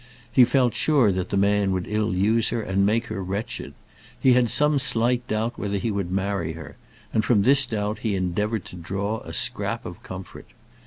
He felt sure that the man would ill use her and make her wretched. He had some slight doubt whether he would marry her, and from this doubt he endeavoured to draw a scrap of comfort.